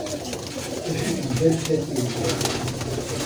Ce fut une belle fête militaire.